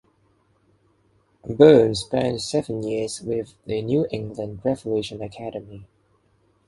Burns spent seven years with the New England Revolution academy.